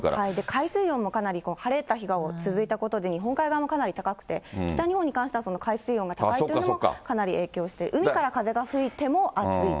海水温もかなり晴れた日が続いたことで日本海側もかなり高くて、北日本に関しては海水温が高いというのもかなり影響して、海から風が吹いても暑いと。